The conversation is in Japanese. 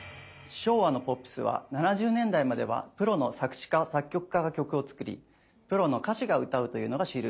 昭和のポップスは７０年代まではプロの作詞家作曲家が曲を作りプロの歌手が歌うというのが主流でした。